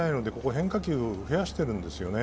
今日は変化球をここで増やしているんですよね。